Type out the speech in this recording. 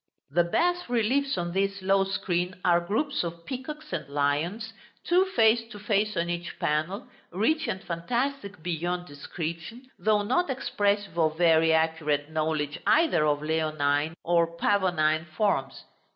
The bas reliefs on this low screen are groups of peacocks and lions, two face to face on each panel, rich and fantastic beyond description, though not expressive of very accurate knowledge either of leonine or pavonine forms.